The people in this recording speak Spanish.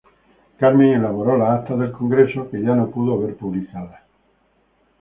Carmen elaboró las Actas del Congreso, que ya no pudo ver publicadas.